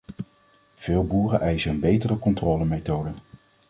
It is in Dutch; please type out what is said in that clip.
Veel boeren eisen een betere controlemethode.